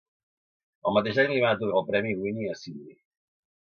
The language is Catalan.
El mateix any li van atorgar el premi Wynne a Sydney.